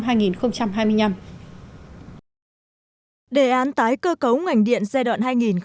đề án tái cơ cấu ngành điện giai đoạn hai nghìn một mươi sáu hai nghìn hai mươi